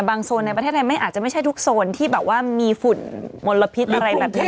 โซนในประเทศไทยไม่อาจจะไม่ใช่ทุกโซนที่แบบว่ามีฝุ่นมลพิษอะไรแบบนี้